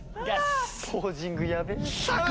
ポージングやべえ。